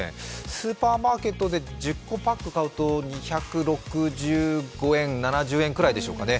スーパーマーケットで１０個パックを買うと２６７円ぐらいでしょうかね。